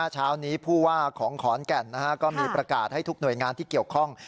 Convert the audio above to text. เช้านี้ผู้ว่าของขอนแก่นก็มีประกาศให้ทุกหน่วยงานที่เกี่ยวข้อง